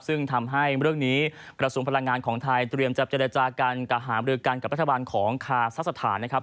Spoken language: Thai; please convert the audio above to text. ซึ่งทำให้เรื่องนี้กระทรวงพลังงานของไทยเตรียมจะเจรจากันกับหามรือกันกับรัฐบาลของคาซักสถานนะครับ